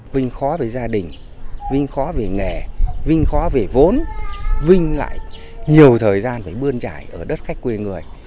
vinh khó về gia đình vinh khó về nghề vinh khó về vốn vinh lại nhiều thời gian phải bươn trải ở đất khách quê người